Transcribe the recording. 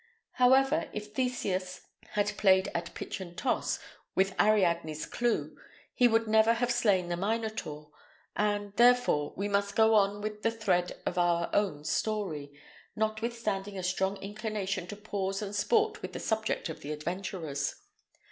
However, if Theseus had played at pitch and toss with Ariadne's clue, he would never have slain the Minotaur; and, therefore, we must go on with the thread of our own story, notwithstanding a strong inclination to pause and sport with the subject of the adventurers.